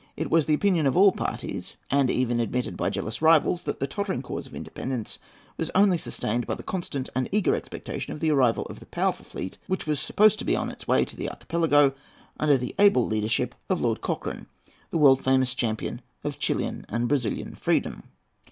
It was the opinion of all parties, and admitted even by jealous rivals, that the tottering cause of independence was only sustained by the constant and eager expectation of the arrival of the powerful fleet which was supposed to be on its way to the Archipelago, under the able leadership of Lord Cochrane, the world famous champion of Chilian and Brazilian freedom.